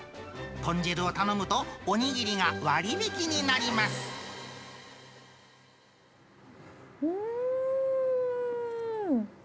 豚汁を頼むと、お握りが割引になうわー。